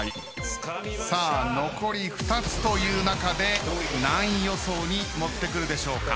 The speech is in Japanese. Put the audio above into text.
さあ残り２つという中で何位予想に持ってくるでしょうか。